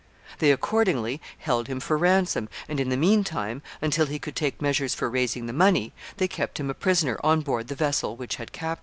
They accordingly held him for ransom, and, in the mean time, until he could take measures for raising the money, they kept him a prisoner on board the vessel which had captured him.